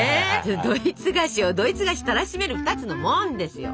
ドイツ菓子をドイツ菓子たらしめる２つの「モン」ですよ。